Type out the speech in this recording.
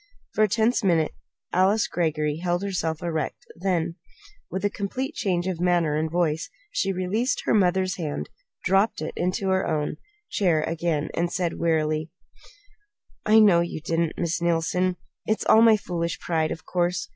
For a tense minute Alice Greggory held herself erect; then, with a complete change of manner and voice, she released her mother's hand, dropped into her own chair again, and said wearily: "I know you didn't, Miss Neilson. It's all my foolish pride, of course.